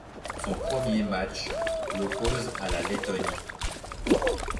Son premier match l'oppose à la Lettonie.